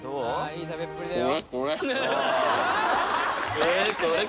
いい食べっぷりだよ